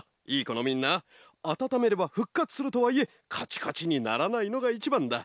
このみんなあたためればふっかつするとはいえカチカチにならないのがいちばんだ。